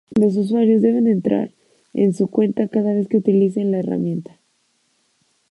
Los usuarios deben entrar en su cuenta cada vez que utilicen la herramienta.